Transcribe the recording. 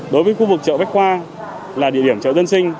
đối với khu vực chợ bách khoa là địa điểm chợ dân sinh